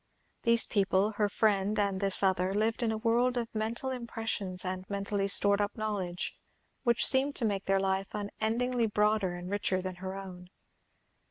These people, her friend and this other, lived in a world of mental impressions and mentally stored up knowledge, which seemed to make their life unendingly broader and richer than her own.